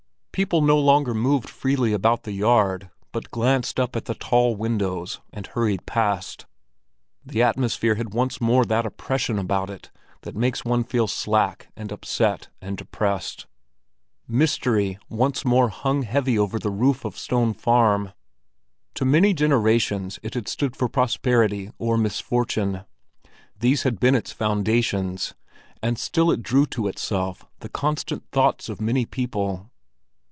People no longer moved freely about the yard, but glanced up at the tall windows and hurried past. The atmosphere had once more that oppression about it that made one feel slack and upset and depressed. Mystery once again hung heavy over the roof of Stone Farm. To many generations it had stood for prosperity or misfortune—these had been its foundations, and still it drew to itself the constant thoughts of many people.